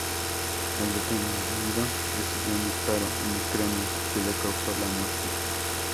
El detenido recibió un disparo en el cráneo que le causó la muerte.